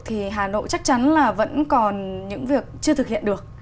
thì hà nội chắc chắn là vẫn còn những việc chưa thực hiện được